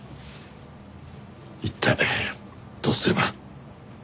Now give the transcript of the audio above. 一体どうすれば。